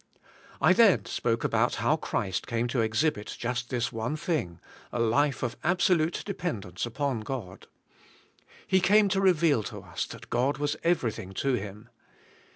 I then spoke about how Christ came to exhibit just this one thing, a life of absolute dependence upon God. He came to reveal to us that God was every thing to Him.